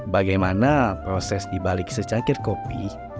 bagaimana proses dibalik secangkir kopi